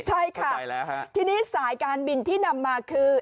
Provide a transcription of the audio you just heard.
ใช่ค่ะทีนี้สายการบินที่นำมาคือ